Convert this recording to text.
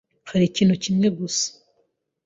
hari ikintu kimwe gusa